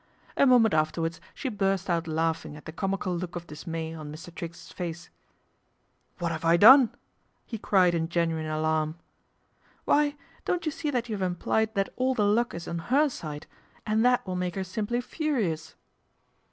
A moment afterwards she burst out laughing at the comical look of dismay on Mr. Triggs's face. " What 'ave I done ?" he cried in genuine alarm. "Why, don't you see that you have implied that all the luck is on her side, and that will make her simply furious